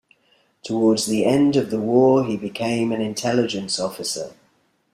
Towards the end of the war he became an intelligence officer.